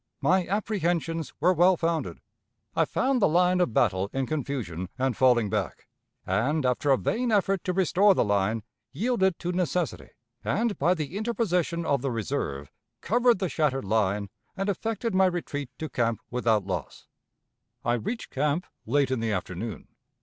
My apprehensions were well founded. I found the line of battle in confusion and falling back, and, after a vain effort to restore the line, yielded to necessity, and, by the interposition of the reserve, covered the shattered line and effected my retreat to camp without loss. "I reached camp late in the afternoon.